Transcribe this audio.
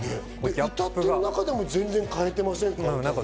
歌ってる中でも変えてませんか？